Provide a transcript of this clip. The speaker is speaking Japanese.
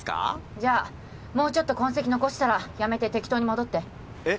じゃあもうちょっと痕跡残したらやめて適当に戻ってえっ？